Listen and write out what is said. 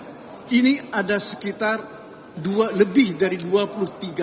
hai ini adalah hal yang sangat penting dan saya ingin meminta para penduduk yang ada di dalam